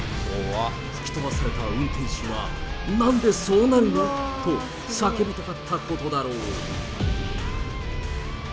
吹き飛ばされた運転手は、なんでそうなるの？と叫びたかったことだろう。